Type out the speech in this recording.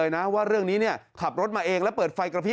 แล้วมาทำไม